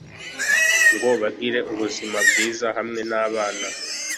ngo bagire ubuzima bwiza hamwe n'abana